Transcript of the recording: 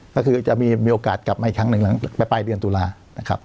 ก็คือจะมีโอกาสกลับมาอีกครั้งหนึ่งหลังไปปลายเดือนตุลานะครับ